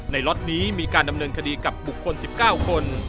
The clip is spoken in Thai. ล็อตนี้มีการดำเนินคดีกับบุคคล๑๙คน